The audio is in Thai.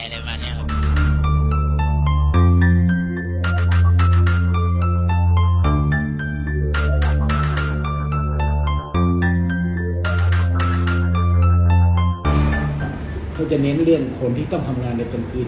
เขาจะเน้นเรื่องคนที่ต้องเข้ามาทำงานในจำคืน